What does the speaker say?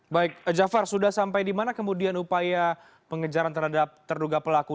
baik jafar sudah sampai di mana kemudian upaya pengejaran terhadap terduga pelaku